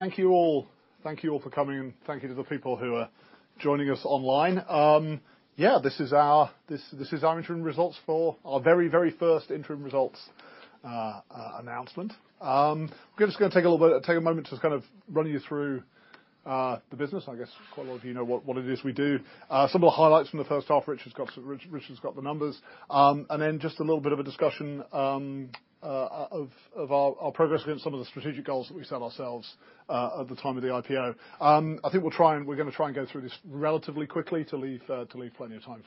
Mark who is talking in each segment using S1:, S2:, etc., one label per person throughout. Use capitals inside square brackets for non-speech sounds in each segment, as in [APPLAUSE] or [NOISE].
S1: Thank you all. Thank you all for coming, and thank you to the people who are joining us online. Yeah, this is our interim results for our very, very first interim results announcement. We're just gonna take a little bit, take a moment to kind of run you through the business. I guess quite a lot of you know what it is we do. Some of the highlights from the first half, Richard's got the numbers. And then just a little bit of a discussion of our progress against some of the strategic goals that we set ourselves at the time of the IPO. I think we'll try and we're gonna try and go through this relatively quickly to leave plenty of time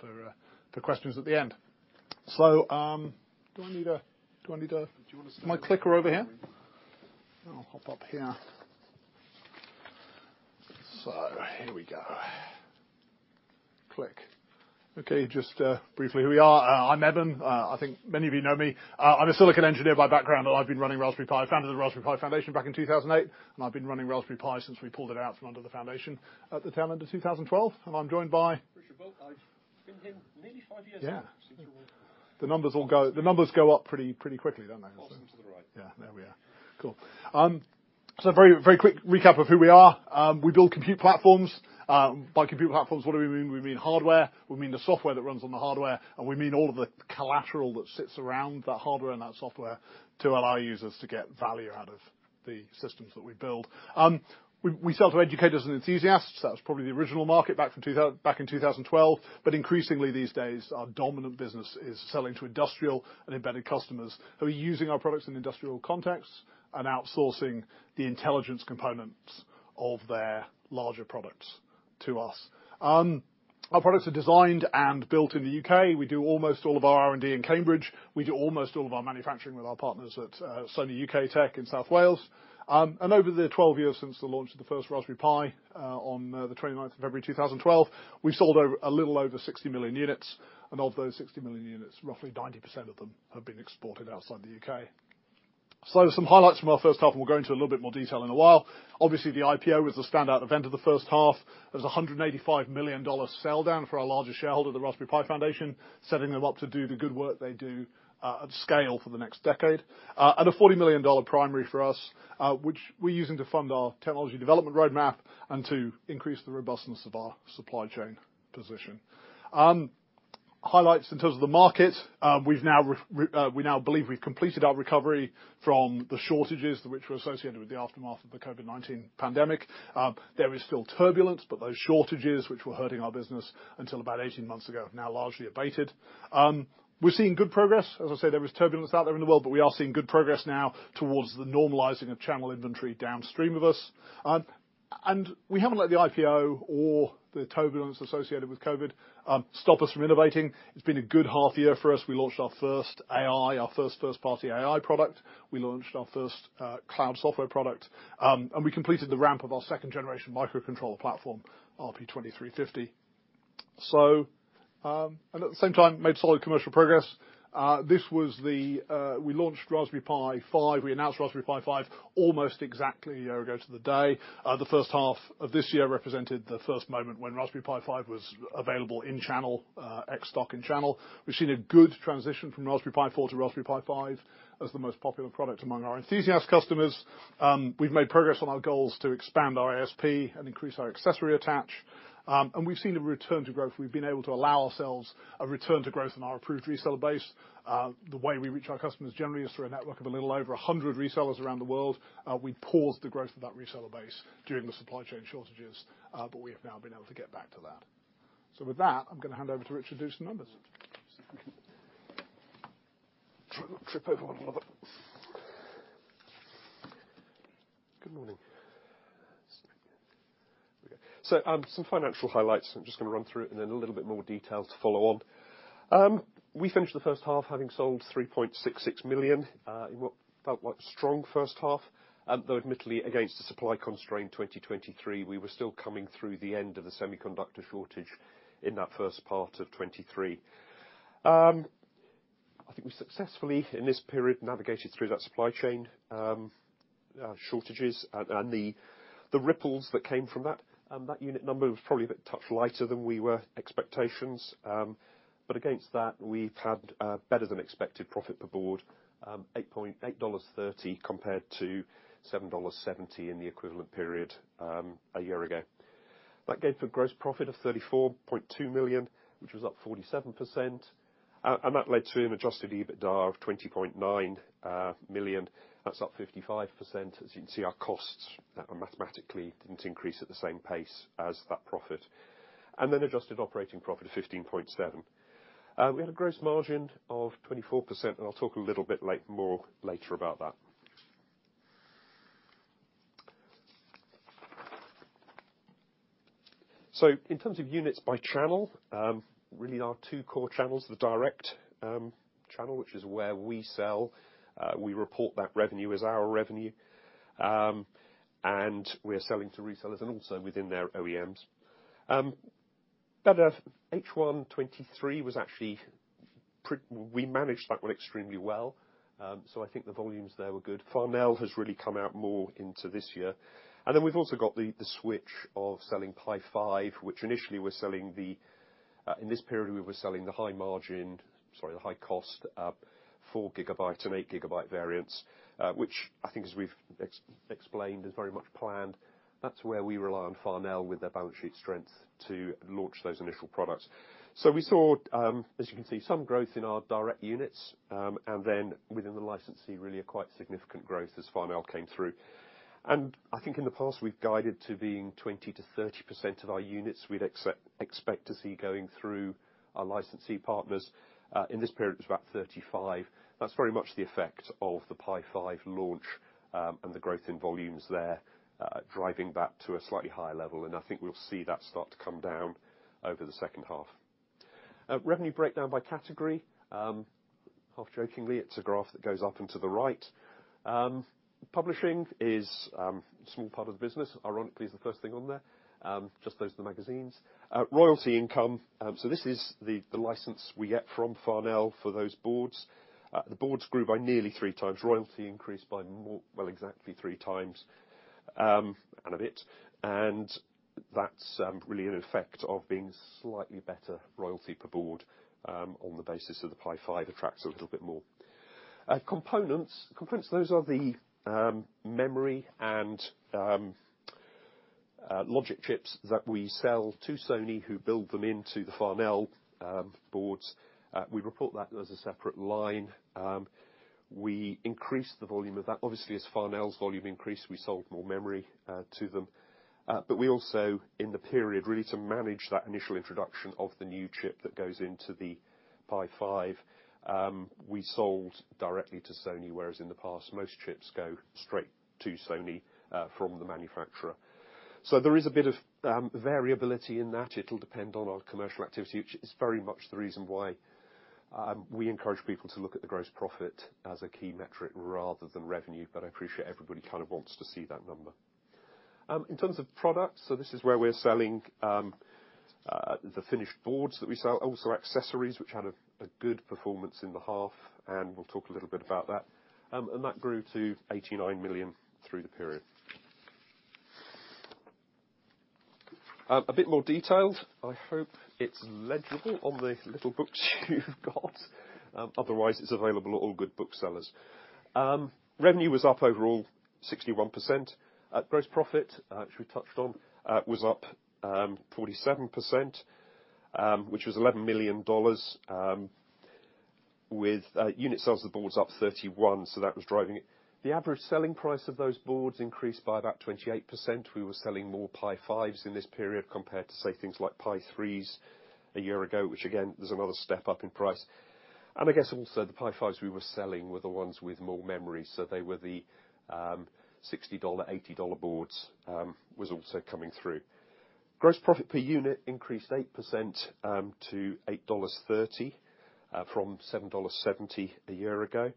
S1: for questions at the end. So, do I need a-
S2: Do you want to stay-
S1: My clicker over here?
S2: I'll hop up here. So here we go. Click.
S1: Okay, just briefly, here we are. I'm Eben. I think many of you know me. I'm a silicon engineer by background, and I've been running Raspberry Pi. I founded the Raspberry Pi Foundation back in 2008, and I've been running Raspberry Pi since we pulled it out from under the foundation at the tail end of 2012. And I'm joined by-
S2: Richard Boult. I've been here nearly five years now.
S1: Yeah.
S2: Since you were-
S1: The numbers all go, the numbers go up pretty, pretty quickly, don't they?
S2: Awesome to the right.
S1: Yeah, there we are. Cool. So very, very quick recap of who we are. We build compute platforms. By compute platforms, what do we mean? We mean hardware, we mean the software that runs on the hardware, and we mean all of the collateral that sits around that hardware and that software to allow users to get value out of the systems that we build. We sell to educators and enthusiasts. That was probably the original market back in 2012. Increasingly, these days, our dominant business is selling to industrial and embedded customers who are using our products in industrial contexts and outsourcing the intelligence components of their larger products to us. Our products are designed and built in the U.K. We do almost all of our R&D in Cambridge. We do almost all of our manufacturing with our partners at Sony UK TEC in South Wales. Over the twelve years since the launch of the first Raspberry Pi, on the 29th of February 2012, we've sold a little over 60 million units, and of those 60 million units, roughly 90% of them have been exported outside the UK. Some highlights from our first half, and we'll go into a little bit more detail in a while. Obviously, the IPO was the standout event of the first half. There was a $185 million sell-down for our largest shareholder, the Raspberry Pi Foundation, setting them up to do the good work they do at scale for the next decade. And a $40 million primary for us, which we're using to fund our technology development roadmap and to increase the robustness of our supply chain position. Highlights in terms of the market. We now believe we've completed our recovery from the shortages which were associated with the aftermath of the COVID-19 pandemic. There is still turbulence, but those shortages, which were hurting our business until about 18 months ago, have now largely abated. We're seeing good progress. As I say, there is turbulence out there in the world, but we are seeing good progress now towards the normalizing of channel inventory downstream of us. And we haven't let the IPO or the turbulence associated with COVID stop us from innovating. It's been a good half year for us. We launched our first AI, our first first-party AI product. We launched our first cloud software product, and we completed the ramp of our second generation microcontroller platform, RP2350. So, and at the same time, made solid commercial progress. We launched Raspberry Pi 5. We announced Raspberry Pi 5 almost exactly a year ago to the day. The first half of this year represented the first moment when Raspberry Pi 5 was available in channel, ex stock in channel. We've seen a good transition from Raspberry Pi 4 to Raspberry Pi 5 as the most popular product among our enthusiast customers. We've made progress on our goals to expand our ASP and increase our accessory attach, and we've seen a return to growth. We've been able to allow ourselves a return to growth in our approved reseller base. The way we reach our customers generally is through a network of a little over a hundred resellers around the world. We paused the growth of that reseller base during the supply chain shortages, but we have now been able to get back to that. So with that, I'm gonna hand over to Richard to do some numbers.
S2: See if we can try [AUDIO DISTORTION] not trip over one another. Good morning. Some financial highlights. I'm just gonna run through it in a little bit more details to follow on. We finished the first half having sold 3.66 million in what felt like a strong first half, and though admittedly, against the supply constrained 2023, we were still coming through the end of the semiconductor shortage in that first part of 2023. I think we successfully, in this period, navigated through that supply chain shortages and the ripples that came from that. And that unit number was probably a bit touch lighter than we were expectations, but against that, we've had better than expected profit per board, $8.30 compared to $7.70 in the equivalent period a year ago. That gave a gross profit of $34.2 million, which was up 47%, and that led to an adjusted EBITDA of $20.9 million. That's up 55%. As you can see, our costs, mathematically, didn't increase at the same pace as that profit. And then adjusted operating profit of $15.7 million. We had a gross margin of 24%, and I'll talk a little bit later, more later about that. So in terms of units by channel, really our two core channels, the direct channel, which is where we sell, we report that revenue as our revenue, and we are selling to resellers and also within their OEMs. But, H1 2023 was actually we managed that one extremely well, so I think the volumes there were good. Farnell has really come out more into this year, and then we've also got the switch of selling Pi 5, which initially was selling in this period, we were selling the high margin, sorry, the high cost, four gigabyte and eight gigabyte variants, which I think as we've explained, is very much planned. That's where we rely on Farnell with their balance sheet strength to launch those initial products, so we saw, as you can see, some growth in our direct units, and then within the licensee, really a quite significant growth as Farnell came through, and I think in the past, we've guided to being 20%-30% of our units, we'd expect to see going through our licensee partners. In this period, it was about 35%. That's very much the effect of the Pi 5 launch, and the growth in volumes there, driving back to a slightly higher level, and I think we'll see that start to come down over the second half. Revenue breakdown by category, half jokingly, it's a graph that goes up and to the right. Publishing is, a small part of the business, ironically, is the first thing on there. Just those are the magazines. Royalty income, so this is the license we get from Farnell for those boards. The boards grew by nearly three times. Royalty increased by more, well, exactly three times, and a bit. And that's, really an effect of being slightly better royalty per board, on the basis of the Pi 5 attracts a little bit more. Components, those are the memory and logic chips that we sell to Sony, who build them into the Farnell boards. We report that as a separate line. We increased the volume of that. Obviously, as Farnell's volume increased, we sold more memory to them, but we also, in the period, really to manage that initial introduction of the new chip that goes into the Pi 5, we sold directly to Sony, whereas in the past, most chips go straight to Sony from the manufacturer. So there is a bit of variability in that. It'll depend on our commercial activity, which is very much the reason why we encourage people to look at the gross profit as a key metric rather than revenue, but I appreciate everybody kind of wants to see that number. In terms of products, so this is where we're selling the finished boards that we sell. Also, accessories, which had a good performance in the half, and we'll talk a little bit about that, and that grew to 89 million through the period. A bit more detailed. I hope it's legible on the little books you've got. Otherwise, it's available at all good booksellers. Revenue was up overall 61%. At gross profit, which we touched on, was up 47%, which was $11 million, with unit sales of boards up 31, so that was driving it. The average selling price of those boards increased by about 28%. We were selling more Pi 5s in this period compared to, say, things like Pi 3s a year ago, which again, there's another step up in price. I guess also, the Pi 5s we were selling were the ones with more memory, so they were the $60, $80 boards, was also coming through. Gross profit per unit increased 8% to $8.30 from $7.70 a year ago.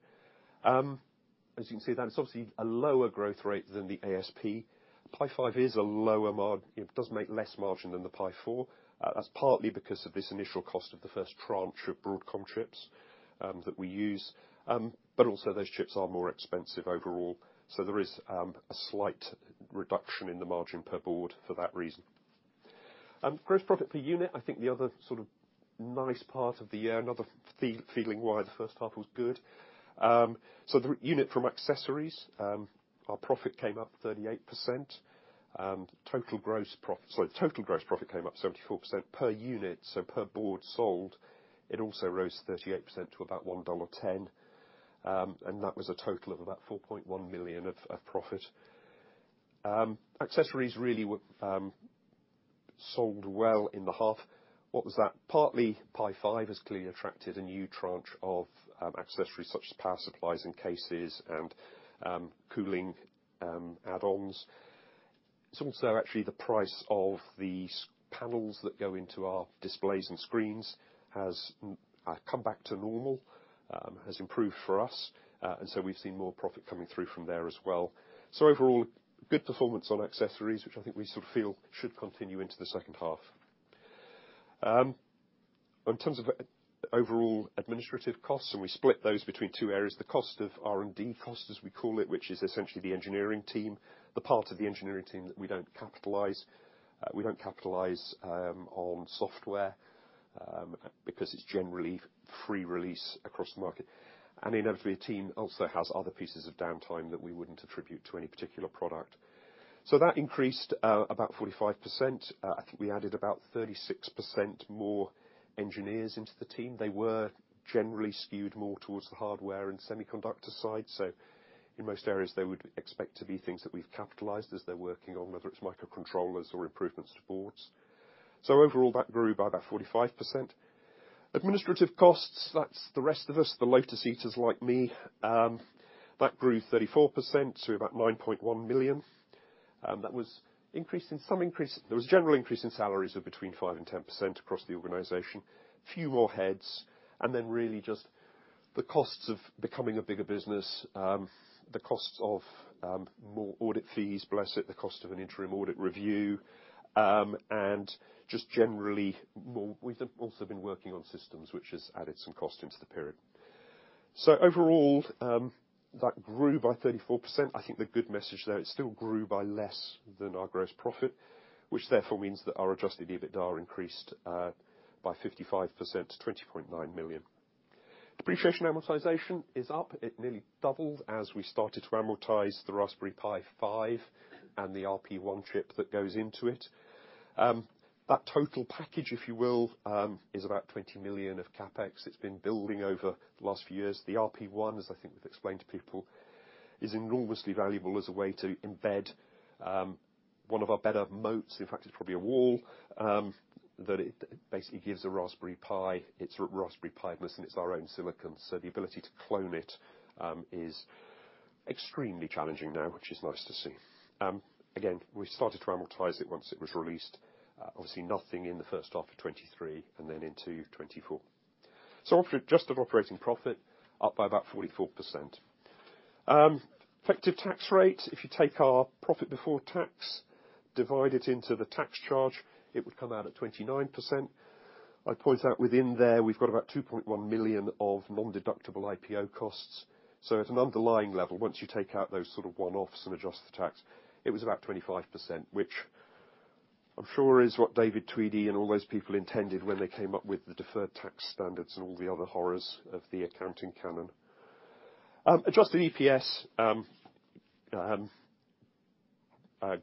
S2: As you can see, that is obviously a lower growth rate than the ASP. Pi 5 is a lower it does make less margin than the Pi 4. That's partly because of this initial cost of the first tranche of Broadcom chips that we use. But also those chips are more expensive overall, so there is a slight reduction in the margin per board for that reason. Gross profit per unit, I think the other sort of nice part of the year, another feeling why the first half was good. So the unit from accessories, our profit came up 38%, and total gross profit. Sorry, total gross profit came up 74% per unit, so per board sold, it also rose 38% to about $1.10, and that was a total of about 4.1 million of profit. Accessories really were sold well in the half. What was that? Raspberry Pi 5 has clearly attracted a new tranche of accessories, such as power supplies and cases and cooling add-ons. It's also actually the price of the panels that go into our displays and screens has come back to normal, has improved for us, and so we've seen more profit coming through from there as well. Overall, good performance on accessories, which I think we sort of feel should continue into the second half. In terms of overall administrative costs, and we split those between two areas, the cost of R&D costs, as we call it, which is essentially the engineering team, the part of the engineering team that we don't capitalize. We don't capitalize on software because it's generally free release across the market, and inevitably a team also has other pieces of downtime that we wouldn't attribute to any particular product. That increased about 45%. I think we added about 36% more engineers into the team. They were generally skewed more towards the hardware and semiconductor side, so in most areas, they would expect to be things that we've capitalized as they're working on, whether it's microcontrollers or improvements to boards. So overall, that grew by about 45%. Administrative costs, that's the rest of us, the lotus eaters like me. That grew 34% to about $9.1 million. There was a general increase in salaries of between five and 10% across the organization, few more heads, and then really just the costs of becoming a bigger business, the costs of more audit fees, bless it, the cost of an interim audit review, and just generally, well, we've also been working on systems which has added some cost into the period. So overall, that grew by 34%. I think the good message there, it still grew by less than our gross profit, which therefore means that our adjusted EBITDA increased by 55% to $20.9 million. Depreciation amortization is up. It nearly doubled as we started to amortize the Raspberry Pi 5 and the RP1 chip that goes into it. That total package, if you will, is about $20 million of CapEx. It's been building over the last few years. The RP1, as I think we've explained to people, is enormously valuable as a way to embed one of our better moats. In fact, it's probably a wall that it basically gives a Raspberry Pi its Raspberry Pi-ness, and it's our own silicon. So the ability to clone it is extremely challenging now, which is nice to see. Again, we started to amortize it once it was released. Obviously nothing in the first half of 2023 and then into 2024. So after adjusted operating profit, up by about 44%. Effective tax rate, if you take our profit before tax, divide it into the tax charge, it would come out at 29%. I'd point out within there, we've got about $2.1 million of non-deductible IPO costs. So at an underlying level, once you take out those sort of one-offs and adjust the tax, it was about 25%, which I'm sure is what David Tweedie and all those people intended when they came up with the deferred tax standards and all the other horrors of the accounting canon. Adjusted EPS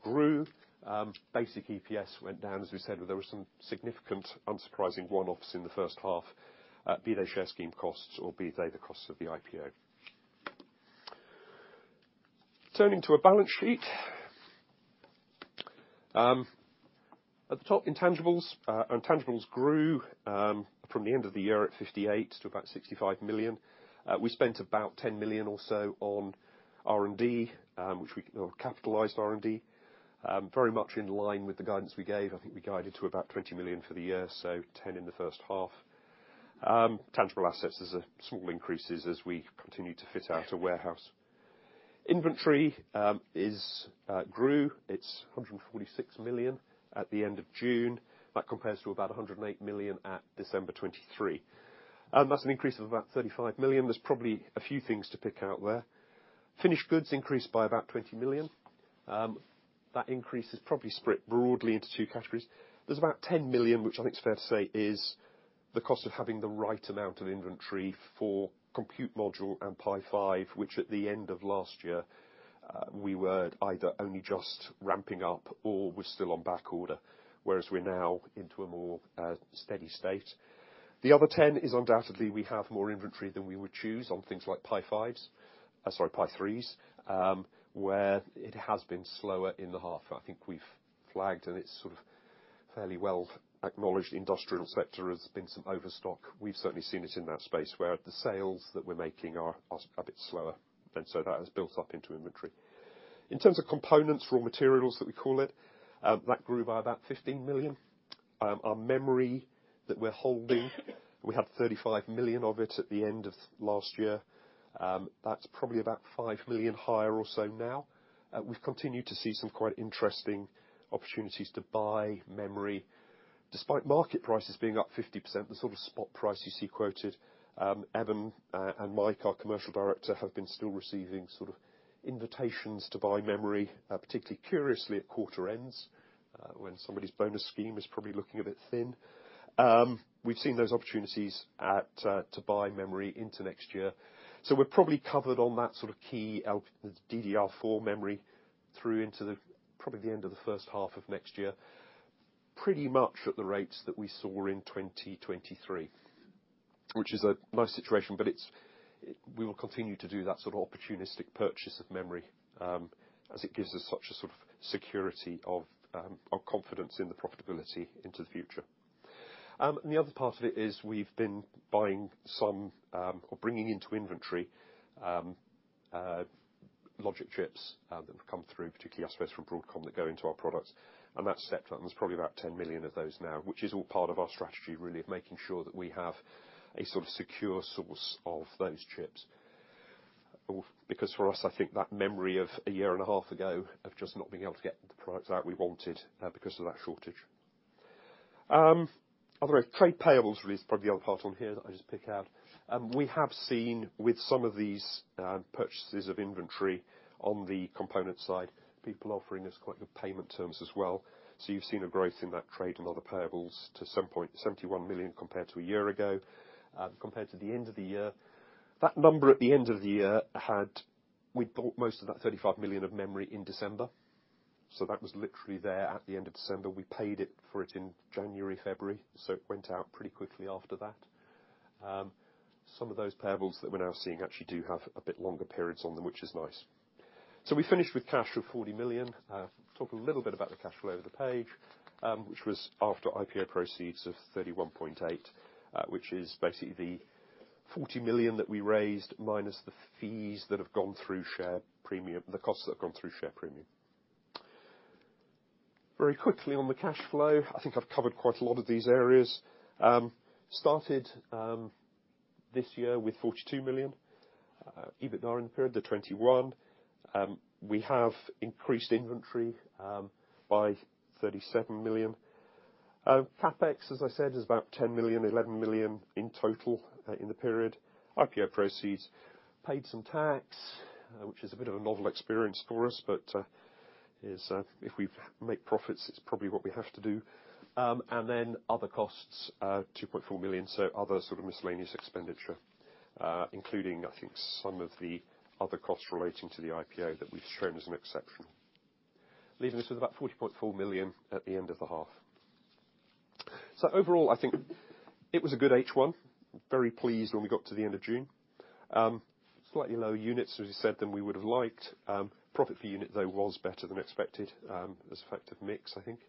S2: grew. Basic EPS went down, as we said. There were some significant, unsurprising one-offs in the first half, be they share scheme costs or be they the costs of the IPO. Turning to our balance sheet. At the top, intangibles grew from the end of the year at $58 million to about $65 million. We spent about $10 million or so on R&D, which we... Or capitalized R&D, very much in line with the guidance we gave. I think we guided to about $20 million for the year, so $10 million in the first half. Tangible assets is a small increases as we continue to fit out a warehouse. Inventory grew. It's $146 million at the end of June. That compares to about $108 million at December 2023. That's an increase of about $35 million. There's probably a few things to pick out there. Finished goods increased by about $20 million. That increase is probably split broadly into two categories. There's about $10 million, which I think it's fair to say, is the cost of having the right amount of inventory for compute module and Pi 5, which at the end of last year, we were either only just ramping up or were still on backorder, whereas we're now into a more, steady state. The other 10 is undoubtedly we have more inventory than we would choose on things like Pi 5s, sorry, Pi 3s, where it has been slower in the half. I think we've flagged, and it's sort of fairly well acknowledged industrial sector has been some overstock. We've certainly seen it in that space, where the sales that we're making are a bit slower, and so that has built up into inventory. In terms of components, raw materials that we call it, that grew by about $15 million. Our memory that we're holding, we had $35 million of it at the end of last year. That's probably about $5 million higher or so now. We've continued to see some quite interesting opportunities to buy memory. Despite market prices being up 50%, the sort of spot price you see quoted, Eben and Mike, our commercial director, have been still receiving sort of invitations to buy memory, particularly curiously, at quarter ends, when somebody's bonus scheme is probably looking a bit thin. We've seen those opportunities to buy memory into next year, so we're probably covered on that sort of key out, DDR4 memory through into the, probably the end of the first half of next year, pretty much at the rates that we saw in 2023, which is a nice situation, but it's we will continue to do that sort of opportunistic purchase of memory, as it gives us such a sort of security of, or confidence in the profitability into the future. And the other part of it is we've been buying some, or bringing into inventory, logic chips, that have come through, particularly, I suppose, from Broadcom, that go into our products, and that's stepped up. There's probably about 10 million of those now, which is all part of our strategy, really, of making sure that we have a sort of secure source of those chips. Because for us, I think that memory of a year and a half ago, of just not being able to get the products out we wanted, because of that shortage. Other trade payables, really is probably the other part on here that I'll just pick out. We have seen with some of these, purchases of inventory on the component side, people offering us quite good payment terms as well. So you've seen a growth in that trade and other payables to some point, 71 million compared to a year ago. Compared to the end of the year, that number at the end of the year had... We bought most of that $35 million of memory in December, so that was literally there at the end of December. We paid for it in January, February, so it went out pretty quickly after that. Some of those payables that we're now seeing actually do have a bit longer periods on them, which is nice. So we finished with cash of $40 million. Talk a little bit about the cash flow over the page, which was after IPO proceeds of $31.8, which is basically the $40 million that we raised, minus the fees that have gone through share premium, the costs that have gone through share premium. Very quickly on the cash flow, I think I've covered quite a lot of these areas. Started this year with $42 million EBITDA in the period, 2021. We have increased inventory by $37 million. CapEx, as I said, is about $10 million, $11 million in total, in the period. IPO proceeds paid some tax, which is a bit of a novel experience for us, but is, if we make profits, it is probably what we have to do. And then other costs, $2.4 million, so other sort of miscellaneous expenditure, including, I think, some of the other costs relating to the IPO that we have shown as an exception. Leaving us with about $40.4 million at the end of the half. So overall, I think it was a good H1. Very pleased when we got to the end of June. Slightly lower units, as we said, than we would have liked. Profit per unit, though, was better than expected, as an effect of mix, I think.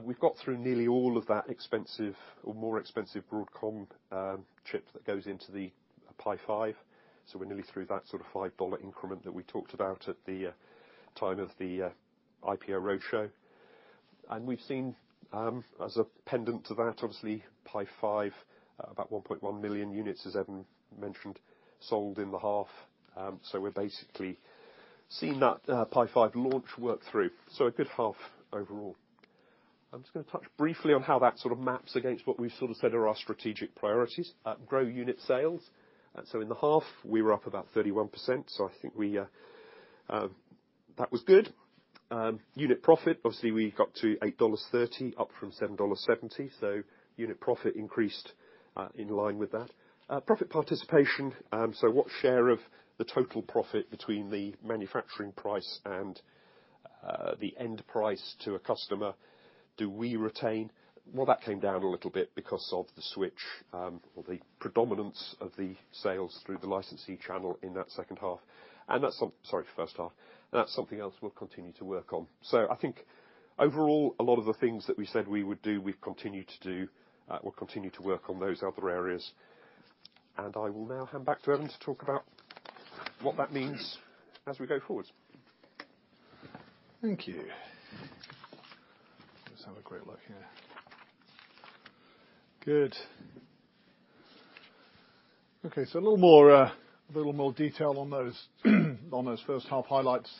S2: We've got through nearly all of that expensive or more expensive Broadcom chip that goes into the Pi 5, so we're nearly through that sort of $5 increment that we talked about at the time of the IPO roadshow. We've seen, as an addendum to that, obviously, Pi 5, about 1.1 million units, as Eben mentioned, sold in the half. We're basically seeing that Pi 5 launch work through. A good half overall. I'm just gonna touch briefly on how that sort of maps against what we've sort of said are our strategic priorities. Grow unit sales. In the half, we were up about 31%, so I think that was good. Unit profit, obviously, we got to $8.30, up from $7.70, so unit profit increased in line with that. Profit participation, so what share of the total profit between the manufacturing price and the end price to a customer do we retain? Well, that came down a little bit because of the switch or the predominance of the sales through the licensee channel in that first half. And that's something else we'll continue to work on. I think overall, a lot of the things that we said we would do, we've continued to do. We'll continue to work on those other areas. And I will now hand back to Eben to talk about what that means as we go forward.
S1: Thank you. Let's have a quick look here. Good. Okay, so a little more detail on those first half highlights.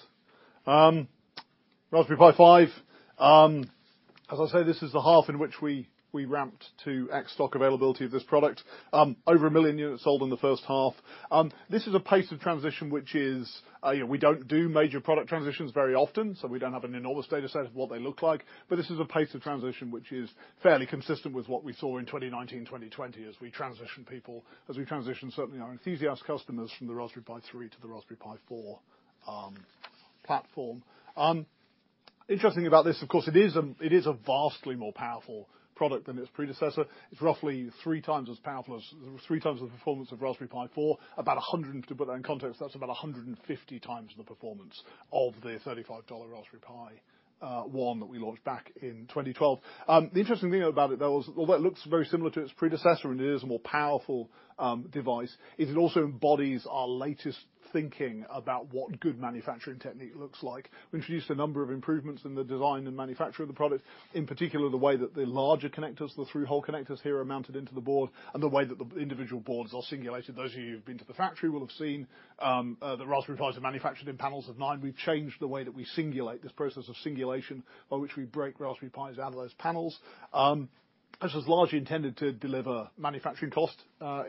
S1: Raspberry Pi 5, as I say, this is the half in which we ramped to ex-stock availability of this product. Over a million units sold in the first half. This is a pace of transition, which is, you know, we don't do major product transitions very often, so we don't have an enormous data set of what they look like. But this is a pace of transition which is fairly consistent with what we saw in 2019, 2020, as we transitioned people, certainly our enthusiast customers from the Raspberry Pi 3 to the Raspberry Pi 4 platform. Interesting about this, of course, it is a vastly more powerful product than its predecessor. It's roughly three times as powerful as three times the performance of Raspberry Pi 4. To put that in context, that's about 150 times the performance of the $35 Raspberry Pi 1 that we launched back in 2012. The interesting thing about it, though, is although it looks very similar to its predecessor, and it is a more powerful device. It also embodies our latest thinking about what good manufacturing technique looks like. We introduced a number of improvements in the design and manufacture of the product, in particular, the way that the larger connectors, the through-hole connectors here, are mounted into the board, and the way that the individual boards are singulated. Those of you who've been to the factory will have seen the Raspberry Pis are manufactured in panels of nine. We've changed the way that we singulate, this process of singulation, by which we break Raspberry Pis out of those panels. This was largely intended to deliver manufacturing cost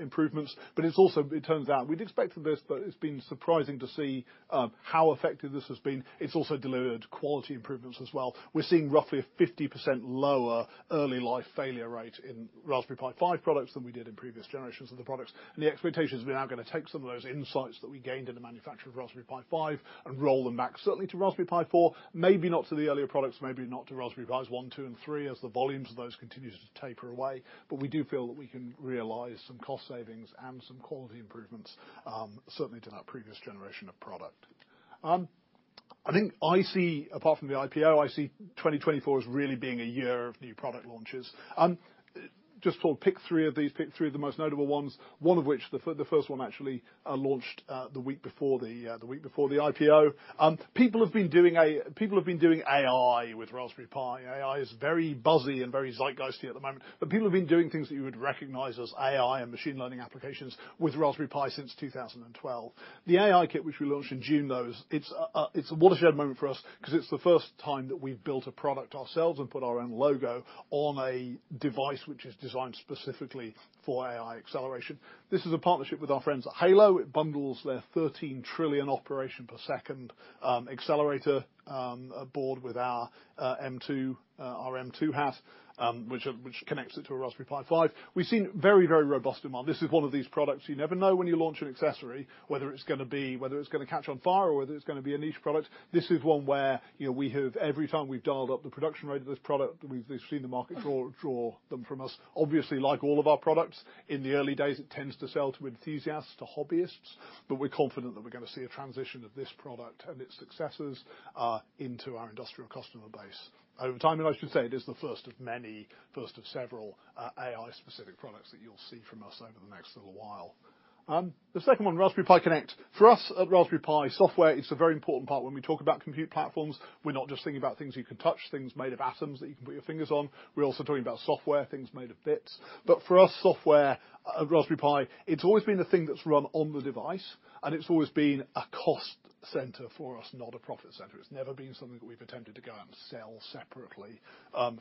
S1: improvements, but it's also, it turns out... We'd expected this, but it's been surprising to see how effective this has been. It's also delivered quality improvements as well. We're seeing roughly a 50% lower early life failure rate in Raspberry Pi 5 products than we did in previous generations of the products. And the expectation is we're now gonna take some of those insights that we gained in the manufacture of Raspberry Pi 5 and roll them back, certainly to Raspberry Pi 4, maybe not to the earlier products, maybe not to Raspberry Pi 1, 2, and 3, as the volumes of those continues to taper away. But we do feel that we can realize some cost savings and some quality improvements, certainly to that previous generation of product. I think I see, apart from the IPO, I see 2024 as really being a year of new product launches. Just to pick three of these, pick three of the most notable ones, one of which, the first one actually, launched the week before the IPO. People have been doing AI with Raspberry Pi. AI is very buzzy and very zeitgeisty at the moment, but people have been doing things that you would recognize as AI and machine learning applications with Raspberry Pi since 2012. The AI Kit, which we launched in June, though, is a watershed moment for us 'cause it's the first time that we've built a product ourselves and put our own logo on a device which is designed specifically for AI acceleration. This is a partnership with our friends at Hailo. It bundles their thirteen trillion operation per second accelerator aboard with our M.2 HAT which connects it to a Raspberry Pi 5. We've seen very, very robust demand. This is one of these products. You never know when you launch an accessory, whether it's gonna catch on fire or whether it's gonna be a niche product. This is one where, you know, we have every time we've dialed up the production rate of this product, we've seen the market draw them from us. Obviously, like all of our products, in the early days, it tends to sell to enthusiasts, to hobbyists, but we're confident that we're gonna see a transition of this product and its successors into our industrial customer base over time, and I should say, it is the first of many, first of several, AI-specific products that you'll see from us over the next little while. The second one, Raspberry Pi Connect. For us at Raspberry Pi, software is a very important part. When we talk about compute platforms, we're not just thinking about things you can touch, things made of atoms that you can put your fingers on. We're also talking about software, things made of bits. But for us, software at Raspberry Pi, it's always been the thing that's run on the device, and it's always been a cost center for us, not a profit center. It's never been something that we've attempted to go out and sell separately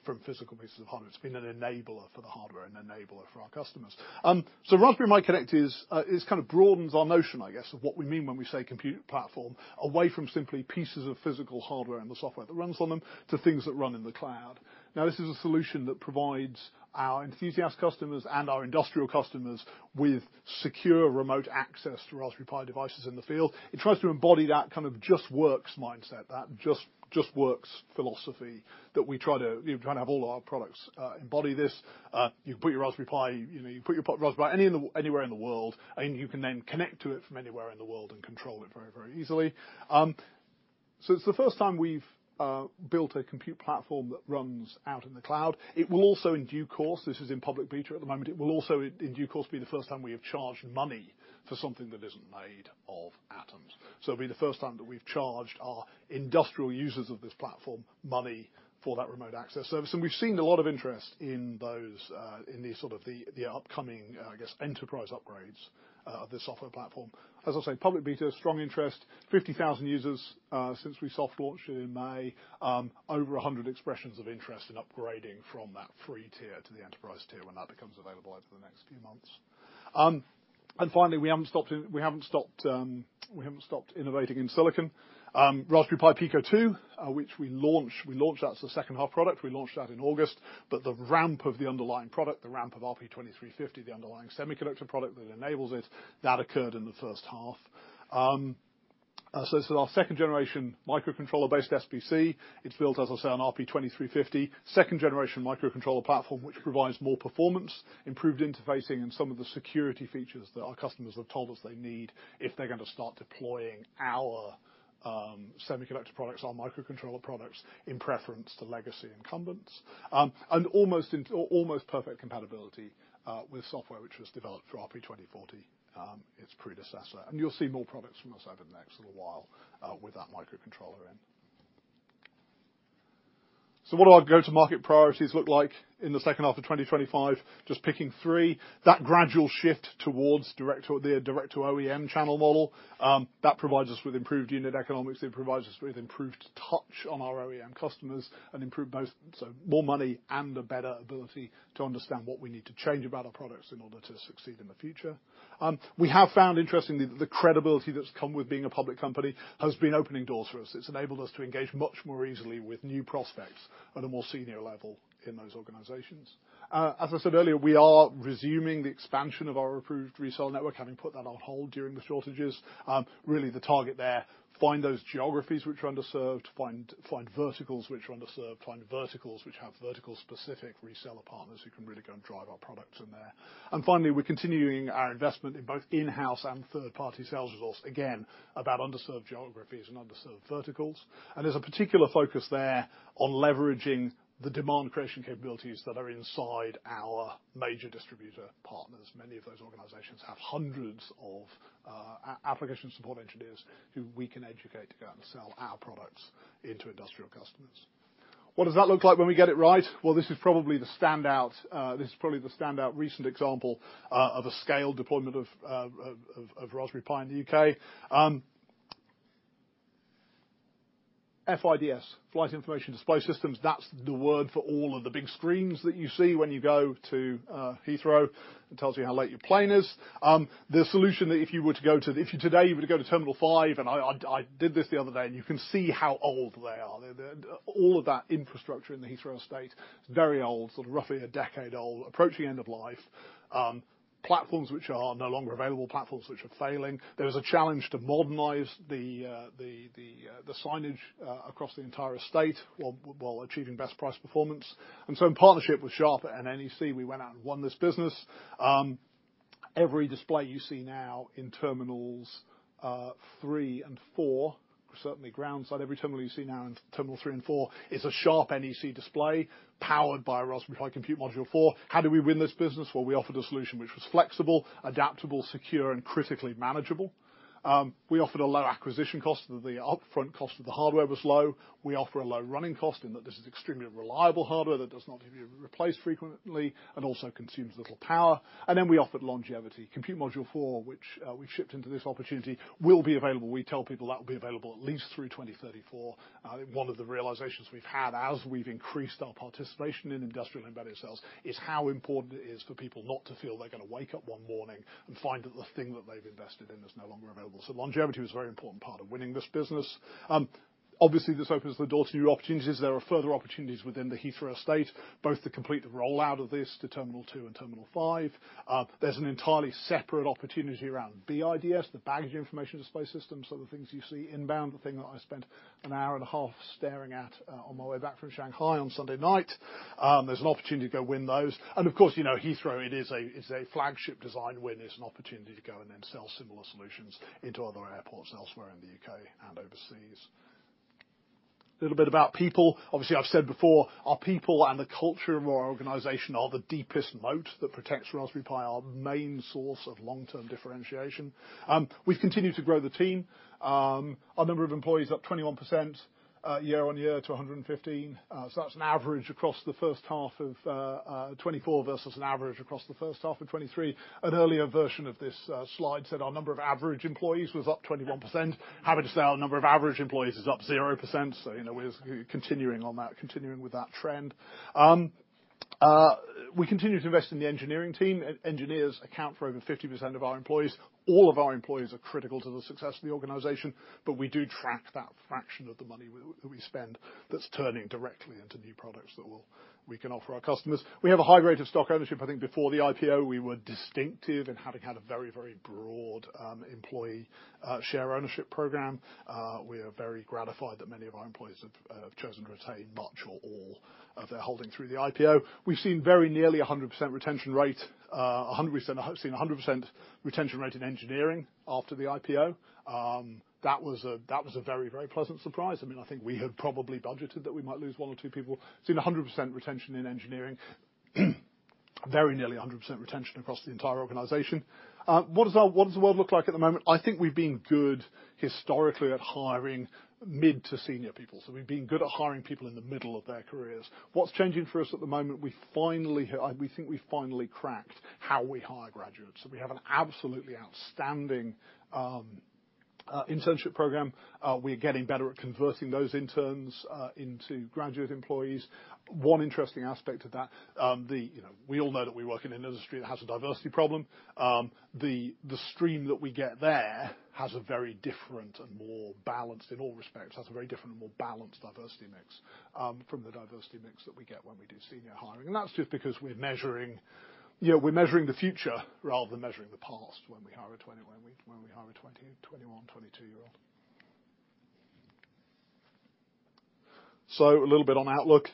S1: from physical pieces of hardware. It's been an enabler for the hardware and enabler for our customers. So Raspberry Pi Connect is kind of broadens our notion, I guess, of what we mean when we say compute platform, away from simply pieces of physical hardware and the software that runs on them, to things that run in the cloud. Now, this is a solution that provides our enthusiast customers and our industrial customers with secure remote access to Raspberry Pi devices in the field. It tries to embody that kind of just works mindset, that just, just works philosophy, that we try to have all our products embody this. You can put your Raspberry Pi, you know, you put your Raspberry anywhere in the world, and you can then connect to it from anywhere in the world and control it very, very easily. So it's the first time we've built a compute platform that runs out in the cloud. It will also, in due course, this is in public beta at the moment, be the first time we have charged money for something that isn't made of atoms. So it'll be the first time that we've charged our industrial users of this platform money for that remote access service. And we've seen a lot of interest in those, in the sort of the upcoming, I guess, enterprise upgrades of this software platform. As I say, public beta, strong interest, 50,000 users, since we soft launched it in May. Over 100 expressions of interest in upgrading from that free tier to the enterprise tier when that becomes available over the next few months. And finally, we haven't stopped innovating in silicon. Raspberry Pi Pico 2, which we launched that as the second-half product. We launched that in August, but the ramp of the underlying product, the ramp of RP2350, the underlying semiconductor product that enables it, that occurred in the first half. So this is our second generation microcontroller-based SBC. It's built, as I say, on RP2350, second generation microcontroller platform, which provides more performance, improved interfacing, and some of the security features that our customers have told us they need if they're gonna start deploying our, semiconductor products, our microcontroller products, in preference to legacy incumbents. And almost perfect compatibility with software which was developed for RP2040, its predecessor. You'll see more products from us over the next little while with that microcontroller in. What do our go-to-market priorities look like in the second half of 2025? Just picking three. That gradual shift towards the direct to OEM channel model, that provides us with improved unit economics. It provides us with improved touch on our OEM customers and improved both, so more money and a better ability to understand what we need to change about our products in order to succeed in the future. We have found, interestingly, that the credibility that's come with being a public company has been opening doors for us. It's enabled us to engage much more easily with new prospects at a more senior level in those organizations. As I said earlier, we are resuming the expansion of our approved reseller network, having put that on hold during the shortages. Really, the target there, find those geographies which are underserved, find verticals which are underserved, find verticals which have vertical-specific reseller partners who can really go and drive our products in there. And finally, we're continuing our investment in both in-house and third-party sales resource, again, about underserved geographies and underserved verticals. And there's a particular focus there on leveraging the demand creation capabilities that are inside our major distributor partners. Many of those organizations have hundreds of application support engineers who we can educate to go out and sell our products into industrial customers. What does that look like when we get it right? Well, this is probably the standout recent example of a scaled deployment of Raspberry Pi in the U.K. FIDS, Flight Information Display Systems, that's the word for all of the big screens that you see when you go to Heathrow. It tells you how late your plane is. The solution that if today you were to go to Terminal 5, and I did this the other day, and you can see how old they are. All of that infrastructure in the Heathrow estate is very old, sort of roughly a decade old, approaching end of life. Platforms which are no longer available, platforms which are failing. There is a challenge to modernize the signage across the entire estate, while achieving best price performance. And so in partnership with Sharp and NEC, we went out and won this business. Every display you see now in Terminals 3 and 4, certainly ground side, every terminal you see now in Terminal 3 and 4 is a Sharp NEC display powered by a Raspberry Pi Compute Module 4. How did we win this business? Well, we offered a solution which was flexible, adaptable, secure, and critically manageable. We offered a low acquisition cost, and the upfront cost of the hardware was low. We offer a low running cost in that this is extremely reliable hardware that does not need to be replaced frequently and also consumes little power. And then we offered longevity. Compute Module 4, which we've shipped into this opportunity, will be available. We tell people that will be available at least through 2034. One of the realizations we've had as we've increased our participation in industrial embedded sales is how important it is for people not to feel they're gonna wake up one morning and find that the thing that they've invested in is no longer available. So longevity was a very important part of winning this business. Obviously, this opens the door to new opportunities. There are further opportunities within the Heathrow estate, both to complete the rollout of this to Terminal 2 and Terminal 5. There's an entirely separate opportunity around BIDS, the Baggage Information Display System, so the things you see inbound, the thing that I spent an hour and a half staring at on my way back from Shanghai on Sunday night. There's an opportunity to go win those. And of course, you know, Heathrow, it is a flagship design win. There's an opportunity to go and then sell similar solutions into other airports elsewhere in the U.K. and overseas. A little bit about people. Obviously, I've said before, our people and the culture of our organization are the deepest moat that protects Raspberry Pi, our main source of long-term differentiation. We've continued to grow the team. Our number of employees is up 21% year-on-year to 115. So that's an average across the first half of 2024 versus an average across the first half of 2023. An earlier version of this slide said our number of average employees was up 21%. Happy to say our number of average employees is up 0%, so you know, we're continuing on that, continuing with that trend. We continue to invest in the engineering team. Engineers account for over 50% of our employees. All of our employees are critical to the success of the organization, but we do track that fraction of the money we spend that's turning directly into new products that we can offer our customers. We have a high rate of stock ownership. I think before the IPO, we were distinctive in having had a very, very broad employee share ownership program. We are very gratified that many of our employees have chosen to retain much or all of their holding through the IPO. We've seen very nearly a hundred percent retention rate in engineering after the IPO. That was a very, very pleasant surprise. I mean, I think we had probably budgeted that we might lose one or two people. Seen 100% retention in engineering, very nearly 100% retention across the entire organization. What does the world look like at the moment? I think we've been good historically at hiring mid to senior people, so we've been good at hiring people in the middle of their careers. What's changing for us at the moment, we finally, we think we finally cracked how we hire graduates. So we have an absolutely outstanding internship program. We're getting better at converting those interns into graduate employees. One interesting aspect of that, you know, we all know that we work in an industry that has a diversity problem. The stream that we get there has a very different and more balanced diversity mix in all respects from the diversity mix that we get when we do senior hiring. And that's just because we're measuring, you know, we're measuring the future rather than measuring the past when we hire a 21, twenty-two-year-old. So a little bit on outlook.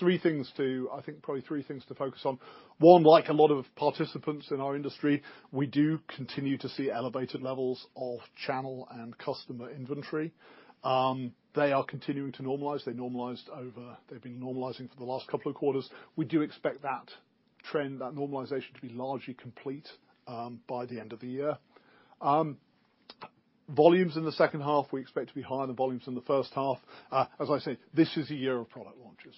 S1: Three things to focus on, I think probably. One, like a lot of participants in our industry, we do continue to see elevated levels of channel and customer inventory. They are continuing to normalize. They've been normalizing for the last couple of quarters. We do expect that trend, that normalization, to be largely complete by the end of the year. Volumes in the second half we expect to be higher than volumes in the first half. As I said, this is a year of product launches.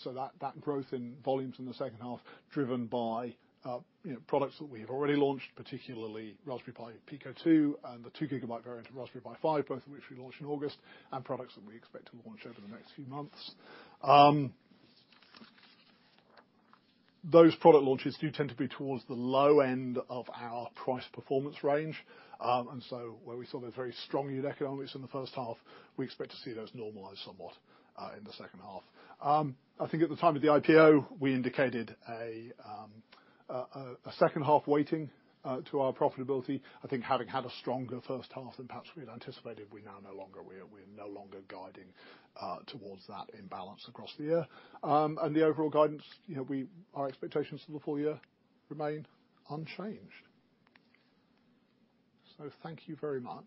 S1: So that growth in volumes in the second half, driven by, you know, products that we've already launched, particularly Raspberry Pi Pico 2, and the two gigabyte variant of Raspberry Pi 5, both of which we launched in August, and products that we expect to launch over the next few months. Those product launches do tend to be towards the low end of our price performance range. And so where we saw those very strong unit economics in the first half, we expect to see those normalize somewhat in the second half. I think at the time of the IPO, we indicated a second half weighting to our profitability. I think having had a stronger first half than perhaps we had anticipated, we're now no longer guiding towards that imbalance across the year, and the overall guidance, you know, our expectations for the full year remain unchanged, so thank you very much.